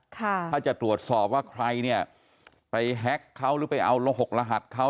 ถ้าจะตรวจสอบว่าใครเนี่ยไปแฮ็กเขาหรือไปเอาละหกรหัสเขา